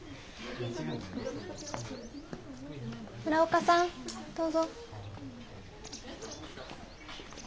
村岡さんどうぞ。